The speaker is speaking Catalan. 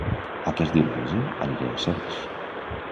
Aquest diumenge aniré a Cercs